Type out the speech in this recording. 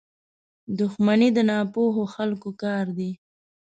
• دښمني د ناپوهو خلکو کار دی.